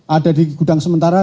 ada di gudang sementara